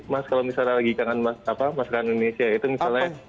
mas kalau misalnya lagi kangen masakan indonesia itu misalnya